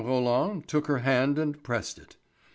Roland took her hand and pressed it.